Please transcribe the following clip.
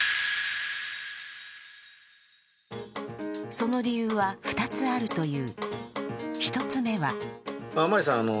その理由は２つあるという。